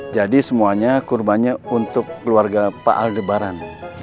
jadi semuanya kurbannya untuk keluarga pak aldebaran